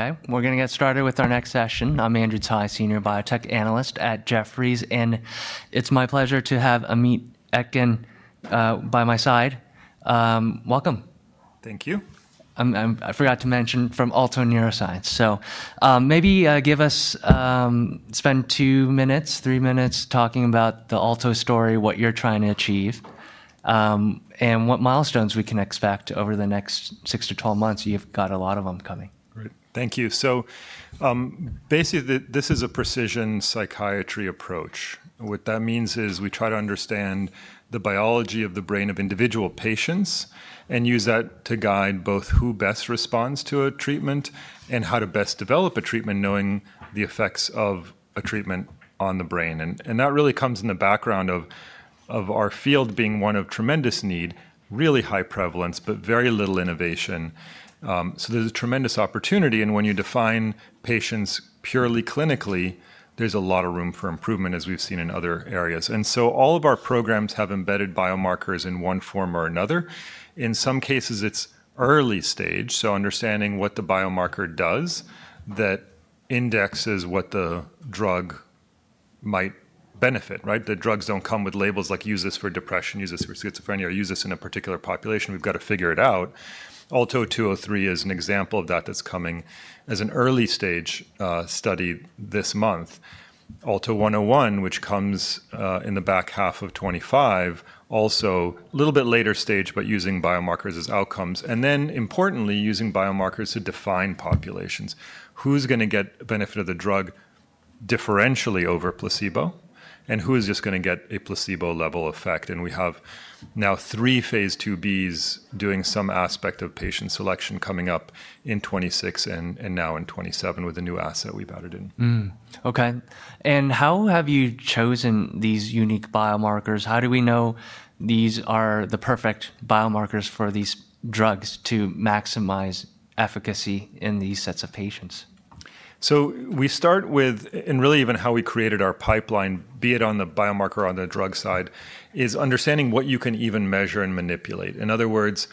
Okay, we're going to get started with our next session. I'm Andrew Tai, Senior Biotech Analyst at Jefferies, and it's my pleasure to have Amit Etkin by my side. Welcome. Thank you. I forgot to mention, from Alto Neuroscience. Maybe give us, spend two minutes, three minutes talking about the Alto story, what you're trying to achieve, and what milestones we can expect over the next 6 to 12 months. You've got a lot of them coming. Great. Thank you. Basically, this is a precision psychiatry approach. What that means is we try to understand the biology of the brain of individual patients and use that to guide both who best responds to a treatment and how to best develop a treatment, knowing the effects of a treatment on the brain. That really comes in the background of our field being one of tremendous need, really high prevalence, but very little innovation. There is a tremendous opportunity. When you define patients purely clinically, there is a lot of room for improvement, as we have seen in other areas. All of our programs have embedded biomarkers in one form or another. In some cases, it is early stage. Understanding what the biomarker does that indexes what the drug might benefit, right? The drugs don't come with labels like, "Use this for depression, use this for schizophrenia," or "Use this in a particular population." We've got to figure it out. Alto 203 is an example of that that's coming as an early stage study this month. Alto 101, which comes in the back half of 2025, also a little bit later stage, but using biomarkers as outcomes. Importantly, using biomarkers to define populations. Who's going to get benefit of the drug differentially over a placebo? Who is just going to get a placebo level effect? We have now three phase II-Bs doing some aspect of patient selection coming up in 2026 and now in 2027 with a new asset we've added in. Okay. How have you chosen these unique biomarkers? How do we know these are the perfect biomarkers for these drugs to maximize efficacy in these sets of patients? We start with, and really even how we created our pipeline, be it on the biomarker or on the drug side, is understanding what you can even measure and manipulate. In other words,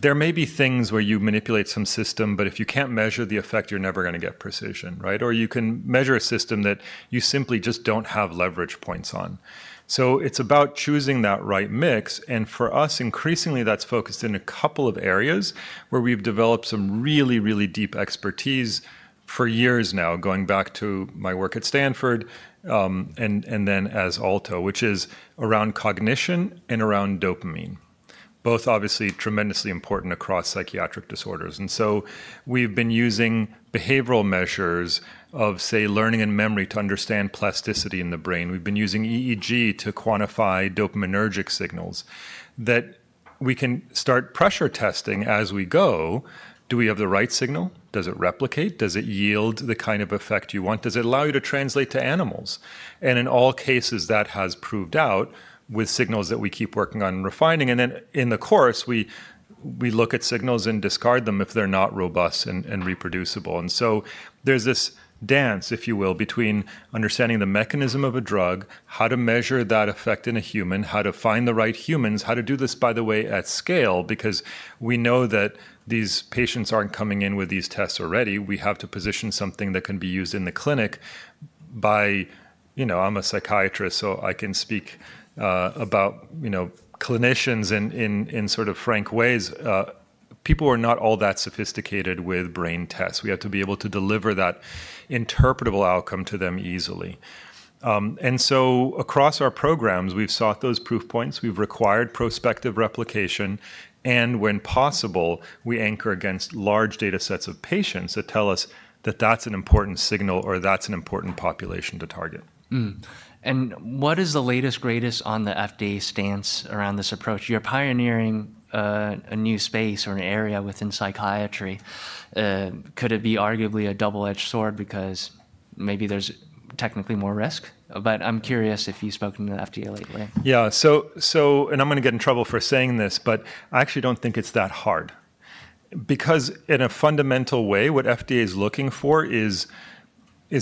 there may be things where you manipulate some system, but if you can't measure the effect, you're never going to get precision, right? Or you can measure a system that you simply just don't have leverage points on. It's about choosing that right mix. For us, increasingly, that's focused in a couple of areas where we've developed some really, really deep expertise for years now, going back to my work at Stanford and then as Alto, which is around cognition and around dopamine, both obviously tremendously important across psychiatric disorders. We've been using behavioral measures of, say, learning and memory to understand plasticity in the brain. We've been using EEG to quantify dopaminergic signals that we can start pressure testing as we go. Do we have the right signal? Does it replicate? Does it yield the kind of effect you want? Does it allow you to translate to animals? In all cases, that has proved out with signals that we keep working on and refining. In the course, we look at signals and discard them if they're not robust and reproducible. There is this dance, if you will, between understanding the mechanism of a drug, how to measure that effect in a human, how to find the right humans, how to do this, by the way, at scale, because we know that these patients aren't coming in with these tests already. We have to position something that can be used in the clinic by, you know, I'm a psychiatrist, so I can speak about, you know, clinicians in sort of frank ways. People are not all that sophisticated with brain tests. We have to be able to deliver that interpretable outcome to them easily. Across our programs, we've sought those proof points. We've required prospective replication. When possible, we anchor against large data sets of patients that tell us that that's an important signal or that's an important population to target. What is the latest, greatest on the FDA stance around this approach? You're pioneering a new space or an area within psychiatry. Could it be arguably a double-edged sword because maybe there's technically more risk? I'm curious if you've spoken to the FDA lately. Yeah. So, and I'm going to get in trouble for saying this, but I actually don't think it's that hard. Because in a fundamental way, what FDA is looking for is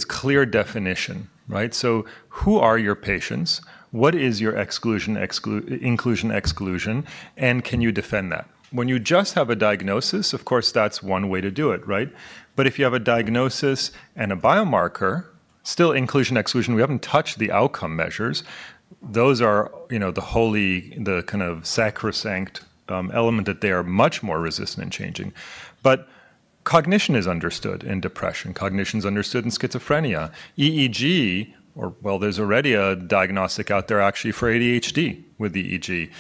clear definition, right? So who are your patients? What is your exclusion, inclusion, exclusion? And can you defend that? When you just have a diagnosis, of course, that's one way to do it, right? But if you have a diagnosis and a biomarker, still inclusion, exclusion, we haven't touched the outcome measures. Those are the holy, the kind of sacrosanct element that they are much more resistant in changing. Cognition is understood in depression. Cognition is understood in schizophrenia. EEG, or well, there's already a diagnostic out there actually for ADHD with EEG.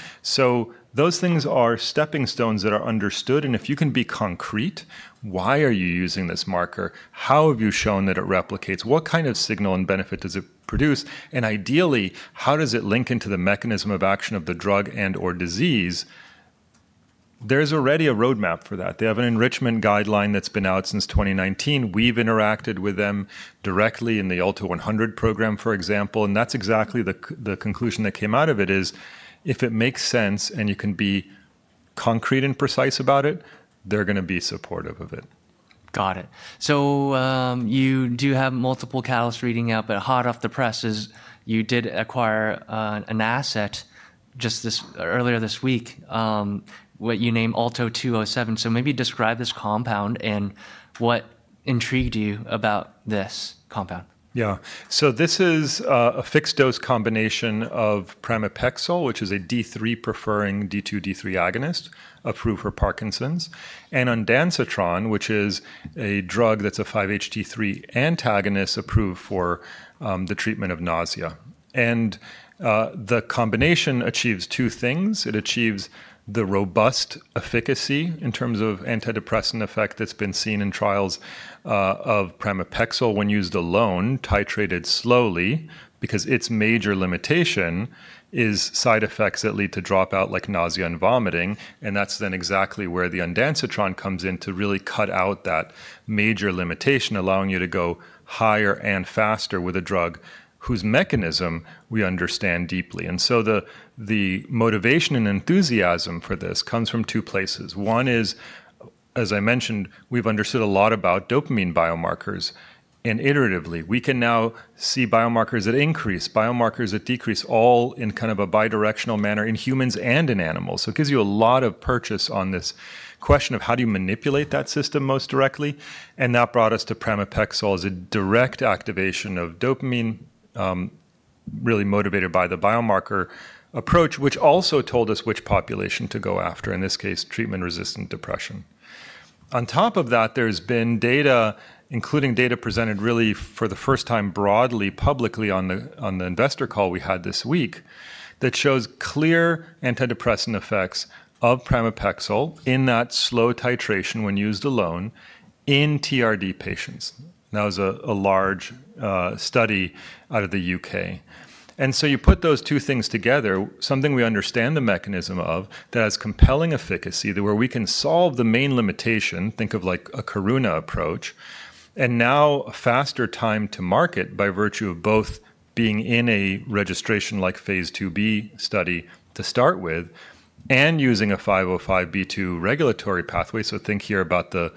Those things are stepping stones that are understood. If you can be concrete, why are you using this marker? How have you shown that it replicates? What kind of signal and benefit does it produce? Ideally, how does it link into the mechanism of action of the drug and/or disease? There is already a roadmap for that. They have an enrichment guideline that has been out since 2019. We have interacted with them directly in the Alto 100 program, for example. That is exactly the conclusion that came out of it: if it makes sense and you can be concrete and precise about it, they are going to be supportive of it. Got it. So you do have multiple catalysts reading out, but hot off the press is you did acquire an asset just earlier this week, what you named Alto 207. So maybe describe this compound and what intrigued you about this compound. Yeah. This is a fixed-dose combination of pramipexole, which is a D3-preferring D2/D3 agonist approved for Parkinson's, and ondansetron, which is a drug that's a 5-HT3 antagonist approved for the treatment of nausea. The combination achieves two things. It achieves the robust efficacy in terms of antidepressant effect that's been seen in trials of pramipexole when used alone, titrated slowly, because its major limitation is side effects that lead to dropout like nausea and vomiting. That is exactly where the ondansetron comes in to really cut out that major limitation, allowing you to go higher and faster with a drug whose mechanism we understand deeply. The motivation and enthusiasm for this comes from two places. One is, as I mentioned, we've understood a lot about dopamine biomarkers. Iteratively, we can now see biomarkers that increase, biomarkers that decrease, all in kind of a bidirectional manner in humans and in animals. It gives you a lot of purchase on this question of how do you manipulate that system most directly. That brought us to pramipexole as a direct activation of dopamine, really motivated by the biomarker approach, which also told us which population to go after, in this case, treatment-resistant depression. On top of that, there has been data, including data presented really for the first time broadly, publicly on the investor call we had this week, that shows clear antidepressant effects of pramipexole in that slow titration when used alone in TRD patients. That was a large study out of the U.K. You put those two things together, something we understand the mechanism of, that has compelling efficacy to where we can solve the main limitation, think of like a Coruna approach, and now a faster time to market by virtue of both being in a registration-like phase II-B study to start with and using a 505(b)(2) regulatory pathway. Think here about the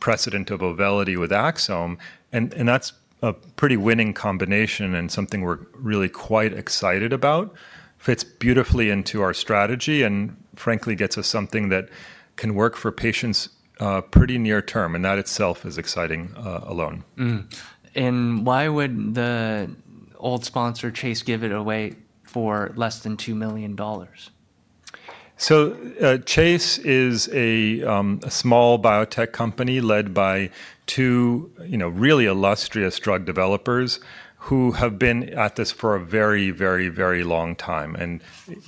precedent of AUVELITY with Axsome. That is a pretty winning combination and something we are really quite excited about. Fits beautifully into our strategy and, frankly, gets us something that can work for patients pretty near term. That itself is exciting alone. Why would the old sponsor Chase give it away for less than $2 million? Chase is a small biotech company led by two really illustrious drug developers who have been at this for a very, very, very long time, and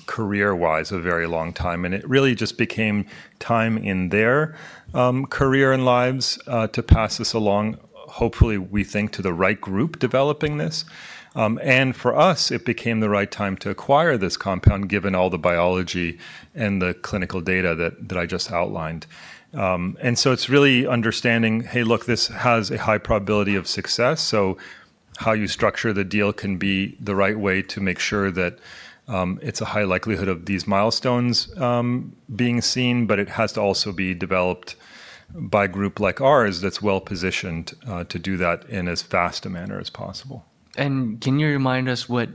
career-wise, a very long time. It really just became time in their career and lives to pass this along, hopefully, we think, to the right group developing this. For us, it became the right time to acquire this compound, given all the biology and the clinical data that I just outlined. It is really understanding, hey, look, this has a high probability of success. How you structure the deal can be the right way to make sure that it is a high likelihood of these milestones being seen, but it has to also be developed by a group like ours that is well-positioned to do that in as fast a manner as possible. Can you remind us what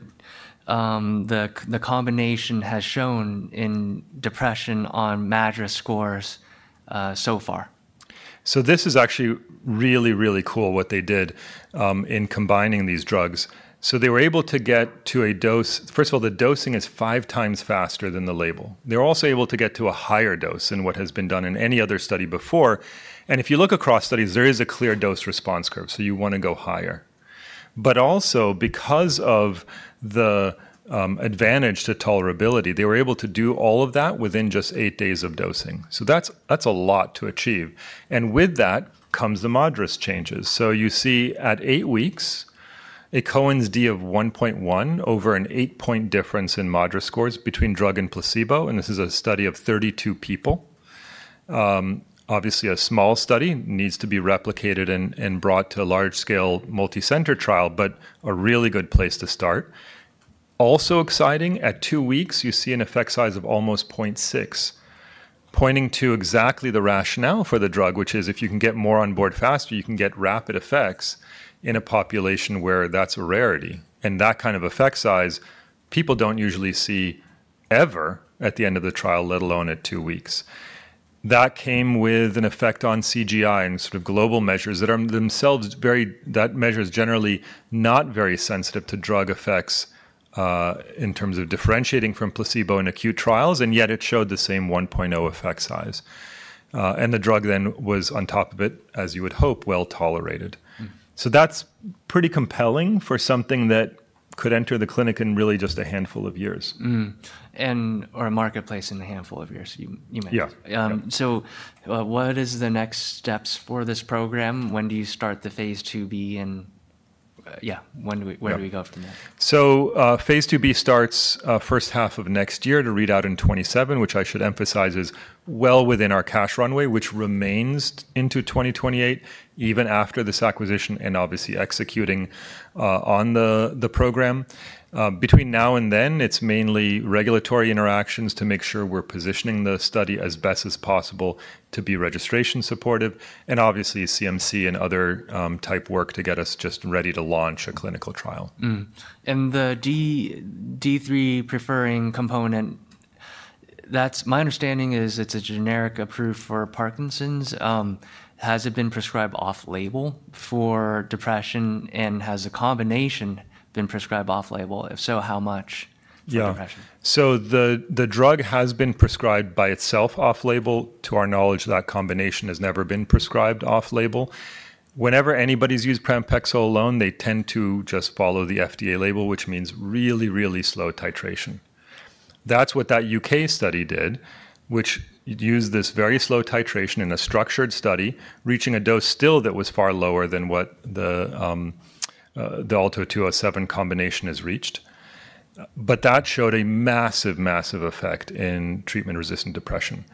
the combination has shown in depression on MADRS scores so far? This is actually really, really cool what they did in combining these drugs. They were able to get to a dose, first of all, the dosing is five times faster than the label. They're also able to get to a higher dose than what has been done in any other study before. If you look across studies, there is a clear dose-response curve. You want to go higher. Also, because of the advantage to tolerability, they were able to do all of that within just eight days of dosing. That's a lot to achieve. With that comes the MADRS changes. You see at eight weeks, a Cohen's D of 1.1 over an eight-point difference in MADRS scores between drug and placebo. This is a study of 32 people. Obviously, a small study needs to be replicated and brought to a large-scale multicenter trial, but a really good place to start. Also exciting, at two weeks, you see an effect size of almost 0.6, pointing to exactly the rationale for the drug, which is if you can get more on board faster, you can get rapid effects in a population where that's a rarity. That kind of effect size, people do not usually see ever at the end of the trial, let alone at two weeks. That came with an effect on CGI and sort of global measures that are themselves very—that measure is generally not very sensitive to drug effects in terms of differentiating from placebo in acute trials, and yet it showed the same 1.0 effect size. The drug then was, on top of it, as you would hope, well tolerated. That's pretty compelling for something that could enter the clinic in really just a handful of years. Or a marketplace in a handful of years, you meant. Yeah. What is the next steps for this program? When do you start the phase II-B and yeah, where do we go from there? Phase II-B starts first half of next year to read out in 2027, which I should emphasize is well within our cash runway, which remains into 2028, even after this acquisition and obviously executing on the program. Between now and then, it's mainly regulatory interactions to make sure we're positioning the study as best as possible to be registration supportive, and obviously CMC and other type work to get us just ready to launch a clinical trial. The D3-preferring component, that's my understanding is it's a generic approved for Parkinson's. Has it been prescribed off-label for depression and has a combination been prescribed off-label? If so, how much? Yeah. So the drug has been prescribed by itself off-label. To our knowledge, that combination has never been prescribed off-label. Whenever anybody's used pramipexole alone, they tend to just follow the FDA label, which means really, really slow titration. That's what that U.K. study did, which used this very slow titration in a structured study, reaching a dose still that was far lower than what the Alto 207 combination has reached. That showed a massive, massive effect in treatment-resistant depression.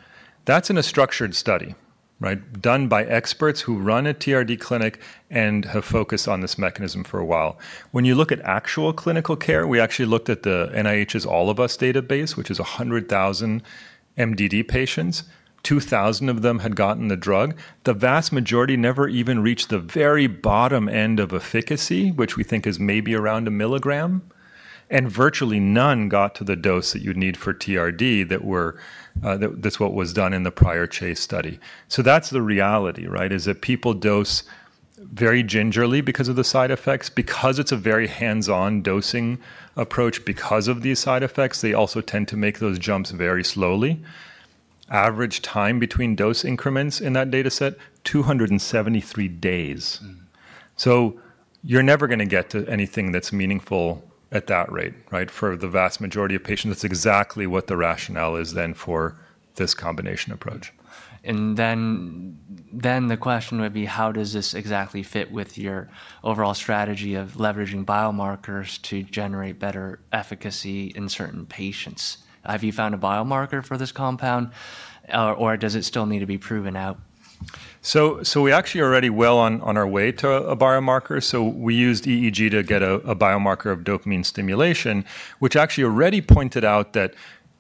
That's in a structured study, right, done by experts who run a TRD clinic and have focused on this mechanism for a while. When you look at actual clinical care, we actually looked at the NIH's All of Us database, which is 100,000 MDD patients. Two thousand of them had gotten the drug. The vast majority never even reached the very bottom end of efficacy, which we think is maybe around 1 milligram. And virtually none got to the dose that you'd need for TRD, that was what was done in the prior Chase study. That's the reality, right, is that people dose very gingerly because of the side effects, because it's a very hands-on dosing approach because of these side effects. They also tend to make those jumps very slowly. Average time between dose increments in that dataset, 273 days. You're never going to get to anything that's meaningful at that rate, right, for the vast majority of patients. That's exactly what the rationale is then for this combination approach. The question would be, how does this exactly fit with your overall strategy of leveraging biomarkers to generate better efficacy in certain patients? Have you found a biomarker for this compound, or does it still need to be proven out? We actually are already well on our way to a biomarker. We used EEG to get a biomarker of dopamine stimulation, which actually already pointed out that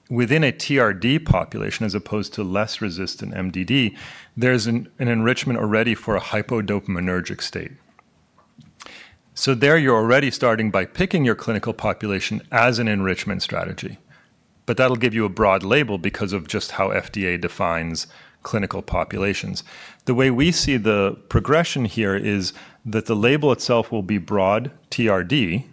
within a TRD population, as opposed to less resistant MDD, there is an enrichment already for a hypodopaminergic state. There you are already starting by picking your clinical population as an enrichment strategy. That will give you a broad label because of just how FDA defines clinical populations. The way we see the progression here is that the label itself will be broad TRD,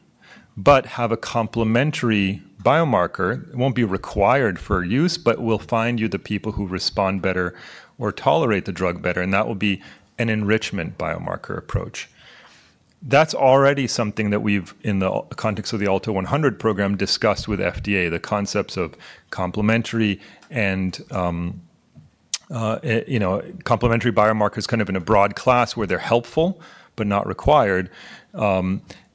but have a complementary biomarker. It will not be required for use, but we will find you the people who respond better or tolerate the drug better. That will be an enrichment biomarker approach. That's already something that we've, in the context of the Alto 100 program, discussed with FDA, the concepts of complementary and complementary biomarkers kind of in a broad class where they're helpful but not required.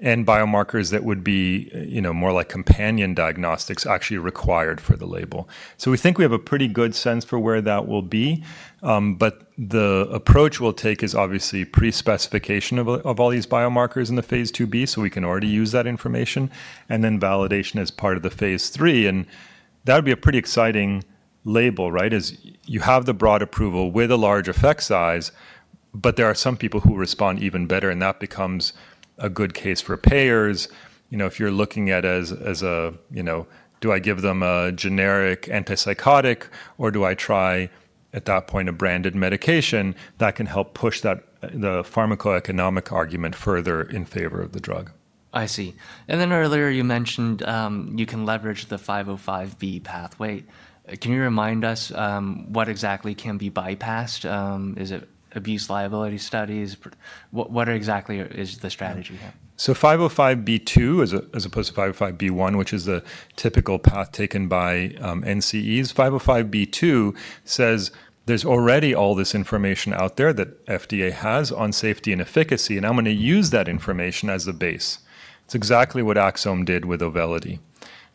And biomarkers that would be more like companion diagnostics actually required for the label. We think we have a pretty good sense for where that will be. The approach we'll take is obviously pre-specification of all these biomarkers in the phase II-B, so we can already use that information, and then validation as part of the phase III. That would be a pretty exciting label, right, is you have the broad approval with a large effect size, but there are some people who respond even better, and that becomes a good case for payers. If you're looking at as a, do I give them a generic antipsychotic, or do I try at that point a branded medication that can help push the pharmacoeconomic argument further in favor of the drug? I see. Earlier you mentioned you can leverage the 505(b)(2) pathway. Can you remind us what exactly can be bypassed? Is it abuse liability studies? What exactly is the strategy here? 505(b)(2), as opposed to 505(b)(1), which is the typical path taken by NCEs, 505(b)(2) says there's already all this information out there that FDA has on safety and efficacy, and I'm going to use that information as the base. It's exactly what Axsome did with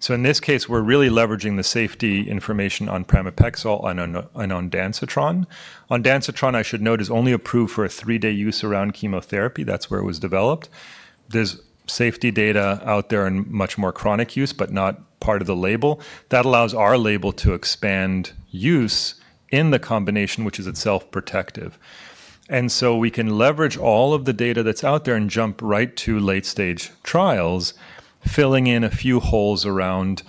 AUVELITY. In this case, we're really leveraging the safety information on pramipexole and ondansetron. Ondansetron, I should note, is only approved for a three-day use around chemotherapy. That's where it was developed. There's safety data out there in much more chronic use, but not part of the label. That allows our label to expand use in the combination, which is itself protective. We can leverage all of the data that's out there and jump right to late-stage trials, filling in a few holes around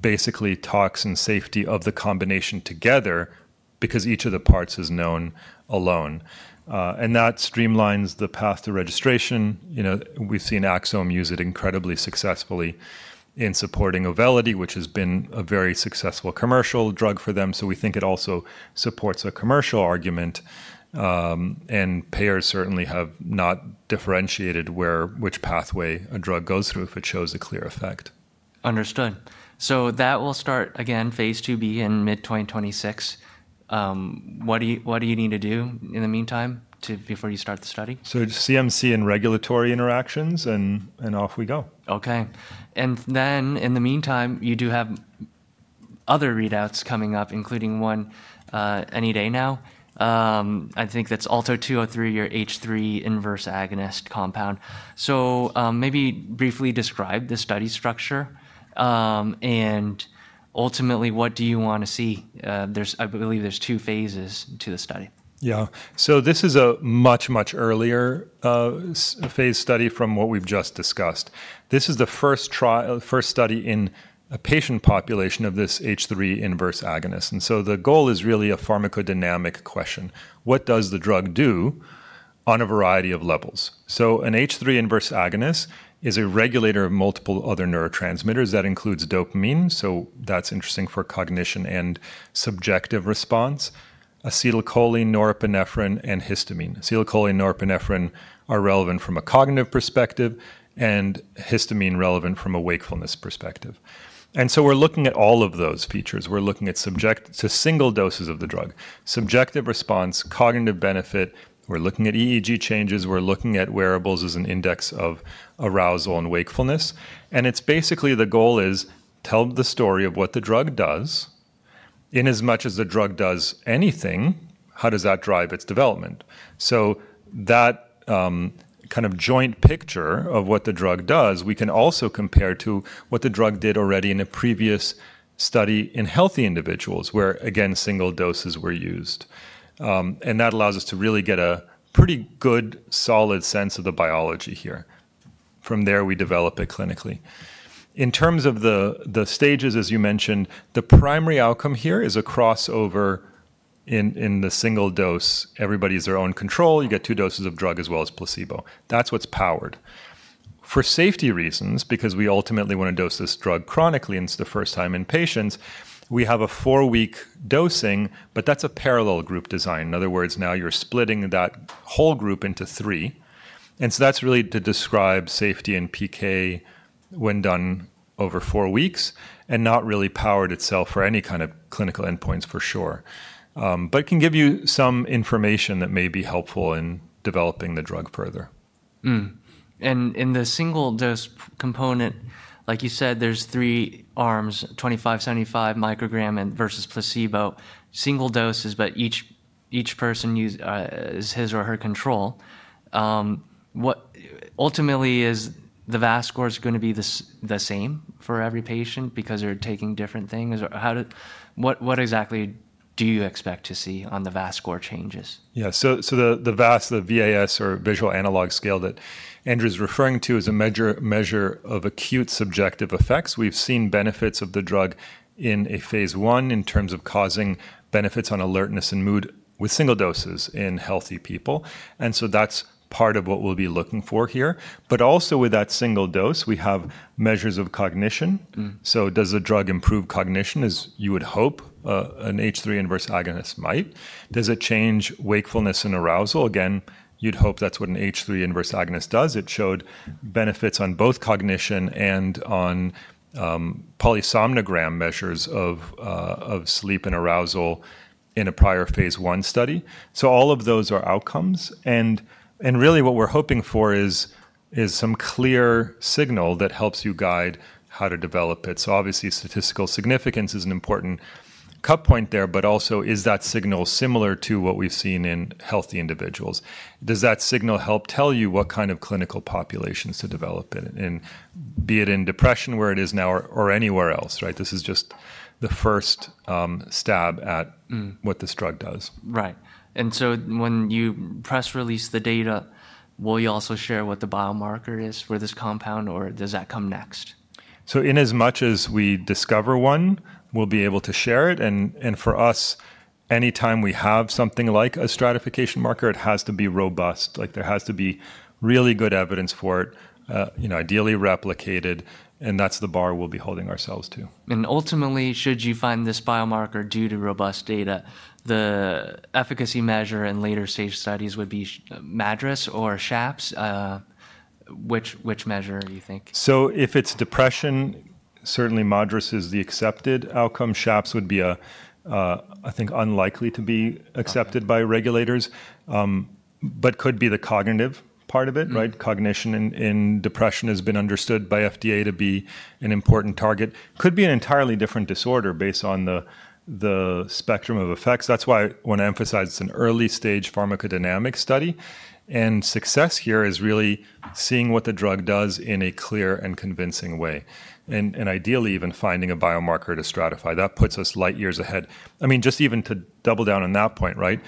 basically tox and safety of the combination together because each of the parts is known alone. That streamlines the path to registration. We've seen Axsome use it incredibly successfully in supporting AUVELITY, which has been a very successful commercial drug for them. We think it also supports a commercial argument. Payers certainly have not differentiated which pathway a drug goes through if it shows a clear effect. Understood. So that will start, again, phase II-B in mid-2026. What do you need to do in the meantime before you start the study? CMC and regulatory interactions, and off we go. Okay. In the meantime, you do have other readouts coming up, including one any day now. I think that's Alto 203, your H3 inverse agonist compound. Maybe briefly describe the study structure. Ultimately, what do you want to see? I believe there's two phases to the study. Yeah. This is a much, much earlier phase study from what we've just discussed. This is the first study in a patient population of this H3 inverse agonist. The goal is really a pharmacodynamic question. What does the drug do on a variety of levels? An H3 inverse agonist is a regulator of multiple other neurotransmitters. That includes dopamine, so that's interesting for cognition and subjective response. Acetylcholine, norepinephrine, and histamine. Acetylcholine and norepinephrine are relevant from a cognitive perspective, and histamine is relevant from a wakefulness perspective. We're looking at all of those features. We're looking at single doses of the drug, subjective response, cognitive benefit. We're looking at EEG changes. We're looking at wearables as an index of arousal and wakefulness. Basically, the goal is tell the story of what the drug does. In as much as the drug does anything, how does that drive its development? That kind of joint picture of what the drug does, we can also compare to what the drug did already in a previous study in healthy individuals where, again, single doses were used. That allows us to really get a pretty good solid sense of the biology here. From there, we develop it clinically. In terms of the stages, as you mentioned, the primary outcome here is a crossover in the single dose. Everybody's their own control. You get two doses of drug as well as placebo. That's what's powered. For safety reasons, because we ultimately want to dose this drug chronically and it's the first time in patients, we have a four-week dosing, but that's a parallel group design. In other words, now you're splitting that whole group into three. That is really to describe safety and PK when done over four weeks and not really powered itself for any kind of clinical endpoints for sure. It can give you some information that may be helpful in developing the drug further. In the single dose component, like you said, there's three arms, 25, 75 microgram versus placebo. Single doses, but each person is his or her control. Ultimately, is the VAS score going to be the same for every patient because they're taking different things? What exactly do you expect to see on the VAS score changes? Yeah. The VAS, the VAS or visual analog scale that Andrew's referring to as a measure of acute subjective effects, we've seen benefits of the drug in a phase one in terms of causing benefits on alertness and mood with single doses in healthy people. That is part of what we'll be looking for here. Also with that single dose, we have measures of cognition. Does the drug improve cognition, as you would hope an H3 inverse agonist might? Does it change wakefulness and arousal? Again, you'd hope that's what an H3 inverse agonist does. It showed benefits on both cognition and on polysomnogram measures of sleep and arousal in a prior phase one study. All of those are outcomes. Really what we're hoping for is some clear signal that helps you guide how to develop it. Obviously, statistical significance is an important cut point there, but also is that signal similar to what we've seen in healthy individuals? Does that signal help tell you what kind of clinical populations to develop it in, be it in depression where it is now or anywhere else, right? This is just the first stab at what this drug does. Right. When you press release the data, will you also share what the biomarker is for this compound, or does that come next? Inasmuch as we discover one, we'll be able to share it. For us, anytime we have something like a stratification marker, it has to be robust. There has to be really good evidence for it, ideally replicated. That's the bar we'll be holding ourselves to. Ultimately, should you find this biomarker due to robust data, the efficacy measure in later safe studies would be MADRS or SHAPS? Which measure do you think? If it's depression, certainly MADRS is the accepted outcome. SHAPS would be, I think, unlikely to be accepted by regulators, but could be the cognitive part of it, right? Cognition in depression has been understood by FDA to be an important target. Could be an entirely different disorder based on the spectrum of effects. That's why I want to emphasize it's an early-stage pharmacodynamic study. Success here is really seeing what the drug does in a clear and convincing way. Ideally, even finding a biomarker to stratify. That puts us light years ahead. I mean, just even to double down on that point, right?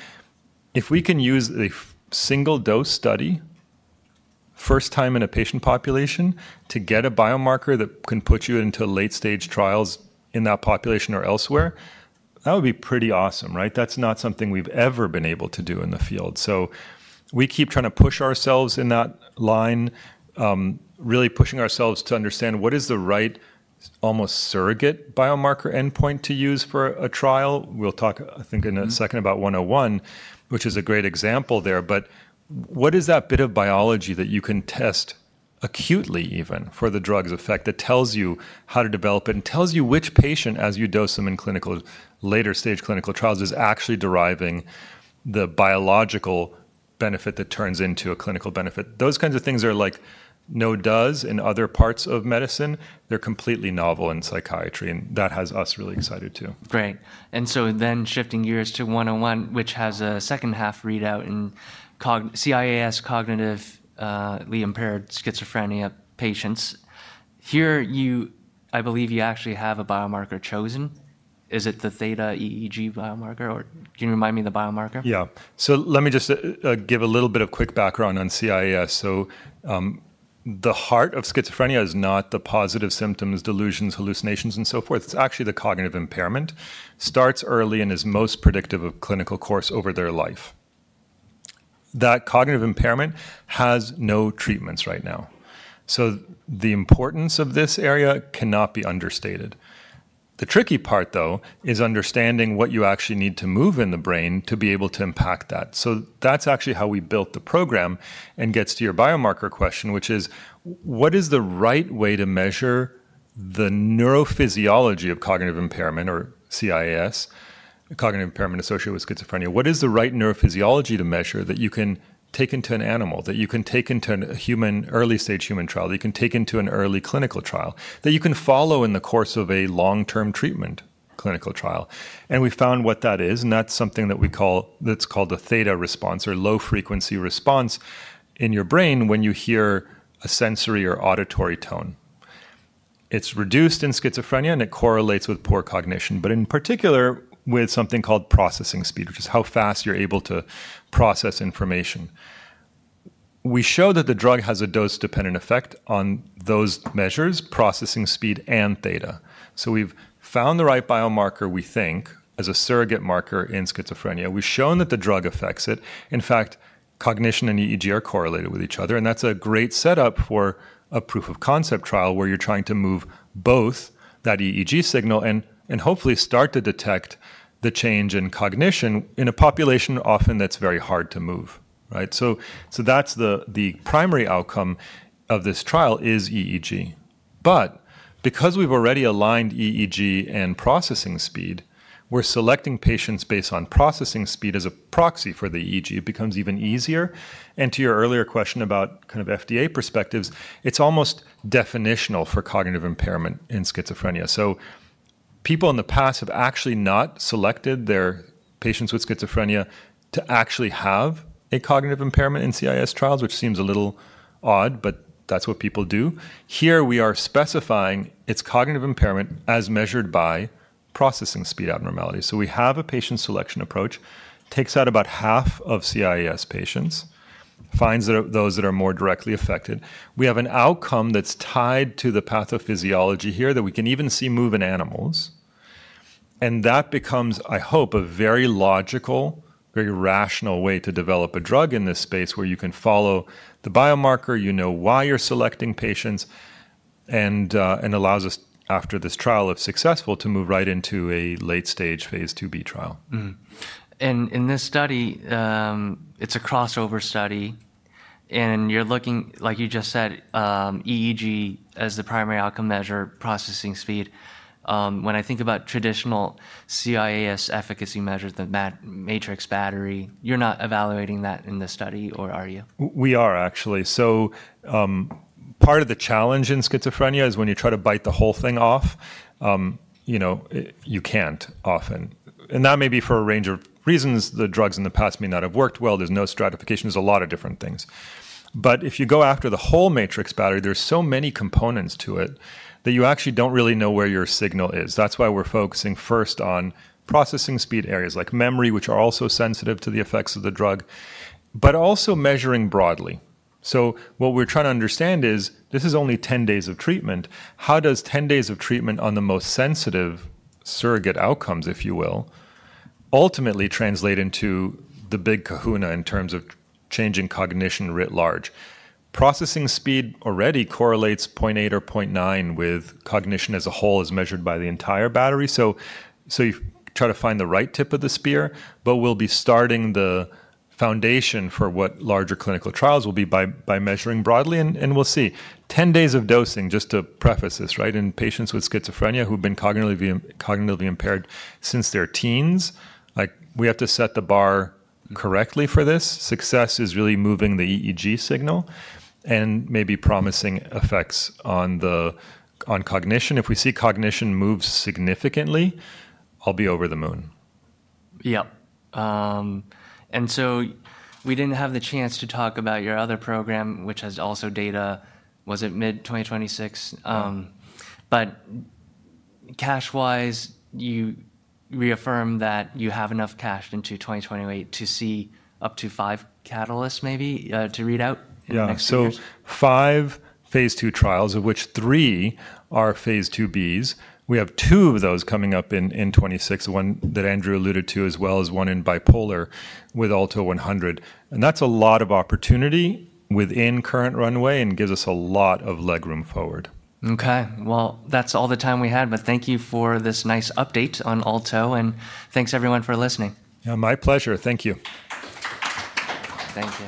If we can use a single dose study first time in a patient population to get a biomarker that can put you into late-stage trials in that population or elsewhere, that would be pretty awesome, right? That's not something we've ever been able to do in the field. We keep trying to push ourselves in that line, really pushing ourselves to understand what is the right almost surrogate biomarker endpoint to use for a trial. We'll talk, I think, in a second about 101, which is a great example there. What is that bit of biology that you can test acutely even for the drug's effect that tells you how to develop it and tells you which patient, as you dose them in later-stage clinical trials, is actually deriving the biological benefit that turns into a clinical benefit? Those kinds of things are like no does in other parts of medicine. They're completely novel in psychiatry. That has us really excited too. Great. And so then shifting gears to 101, which has a second-half readout in CIAS cognitively impaired schizophrenia patients. Here, I believe you actually have a biomarker chosen. Is it the theta EEG biomarker? Or can you remind me the biomarker? Yeah. Let me just give a little bit of quick background on CIAS. The heart of schizophrenia is not the positive symptoms, delusions, hallucinations, and so forth. It's actually the cognitive impairment. Starts early and is most predictive of clinical course over their life. That cognitive impairment has no treatments right now. The importance of this area cannot be understated. The tricky part, though, is understanding what you actually need to move in the brain to be able to impact that. That's actually how we built the program and gets to your biomarker question, which is, what is the right way to measure the neurophysiology of cognitive impairment or CIAS, cognitive impairment associated with schizophrenia? What is the right neurophysiology to measure that you can take into an animal, that you can take into an early-stage human trial, that you can take into an early clinical trial, that you can follow in the course of a long-term treatment clinical trial? We found what that is. That is something that we call the theta response or low-frequency response in your brain when you hear a sensory or auditory tone. It is reduced in schizophrenia, and it correlates with poor cognition, but in particular with something called processing speed, which is how fast you are able to process information. We show that the drug has a dose-dependent effect on those measures, processing speed and theta. We have found the right biomarker, we think, as a surrogate marker in schizophrenia. We have shown that the drug affects it. In fact, cognition and EEG are correlated with each other. That's a great setup for a proof of concept trial where you're trying to move both that EEG signal and hopefully start to detect the change in cognition in a population often that's very hard to move, right? The primary outcome of this trial is EEG. Because we've already aligned EEG and processing speed, we're selecting patients based on processing speed as a proxy for the EEG. It becomes even easier. To your earlier question about kind of FDA perspectives, it's almost definitional for cognitive impairment in schizophrenia. People in the past have actually not selected their patients with schizophrenia to actually have a cognitive impairment in CIAS trials, which seems a little odd, but that's what people do. Here, we are specifying its cognitive impairment as measured by processing speed abnormalities. We have a patient selection approach, takes out about half of CIAS patients, finds those that are more directly affected. We have an outcome that's tied to the pathophysiology here that we can even see move in animals. That becomes, I hope, a very logical, very rational way to develop a drug in this space where you can follow the biomarker, you know why you're selecting patients, and allows us, after this trial of success, to move right into a late-stage phase II-B trial. In this study, it's a crossover study. You're looking, like you just said, EEG as the primary outcome measure, processing speed. When I think about traditional CIAS efficacy measures, the matrix battery, you're not evaluating that in the study, or are you? We are, actually. Part of the challenge in schizophrenia is when you try to bite the whole thing off, you can't often. That may be for a range of reasons. The drugs in the past may not have worked well. There's no stratification. There's a lot of different things. If you go after the whole matrix battery, there's so many components to it that you actually don't really know where your signal is. That's why we're focusing first on processing speed, areas like memory, which are also sensitive to the effects of the drug, but also measuring broadly. What we're trying to understand is this is only 10 days of treatment. How does 10 days of treatment on the most sensitive surrogate outcomes, if you will, ultimately translate into the big kahuna in terms of changing cognition writ large? Processing speed already correlates 0.8 or 0.9 with cognition as a whole as measured by the entire battery. You try to find the right tip of the spear, but we'll be starting the foundation for what larger clinical trials will be by measuring broadly. We'll see 10 days of dosing, just to preface this, right? In patients with schizophrenia who've been cognitively impaired since their teens, we have to set the bar correctly for this. Success is really moving the EEG signal and maybe promising effects on cognition. If we see cognition move significantly, I'll be over the moon. Yep. And so we did not have the chance to talk about your other program, which has also data, was it mid-2026? But cash-wise, you reaffirm that you have enough cash into 2028 to see up to five catalysts maybe to read out? Yeah. So five phase II trials, of which three are phase II-Bs. We have two of those coming up in 2026, one that Andrew alluded to, as well as one in bipolar with Alto 100. And that's a lot of opportunity within current runway and gives us a lot of legroom forward. Okay. That is all the time we had, but thank you for this nice update on Alto. And thanks, everyone, for listening. Yeah, my pleasure. Thank you. Thank you.